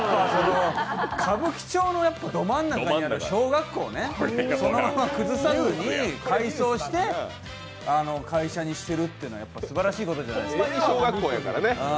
歌舞伎町のど真ん中にあった小学校をそのまま崩さずに改装して会社にしてるってのはすばらしいことじゃないですか。